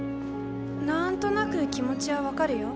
なんとなく気持ちは分かるよ。